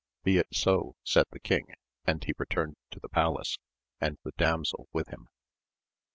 Be it so, said the king, and he returned to the palace, and the damsel with him.